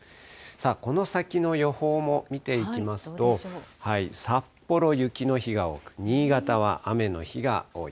この先の予報も見ていきますと、札幌、雪の日が多く、新潟は雨の日が多い。